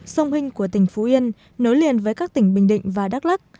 sông hinh của tỉnh phú yên nối liền với các tỉnh bình định và đắk lắc